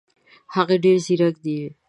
هغه ډېر زیرک دی.